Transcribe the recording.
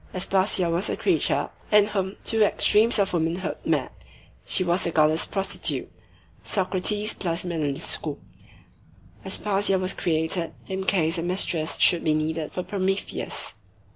Aspasia was a creature in whom two extremes of womanhood met; she was the goddess prostitute; Socrates plus Manon Lescaut. Aspasia was created in case a mistress should be needed for Prometheus."